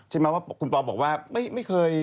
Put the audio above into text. ใช่ไหมว่าคุณปอลบอกว่าไม่เคย